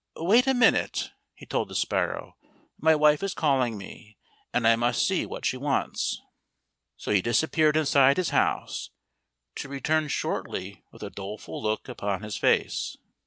"Wait a moment!" he told the sparrow. "My wife is calling me. And I must see what she wants." So he disappeared inside his house, to return shortly with a doleful look upon his face.